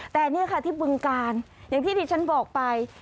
แต่นี่ค่ะที่บึงการอย่างที่ดิฉันบอกไป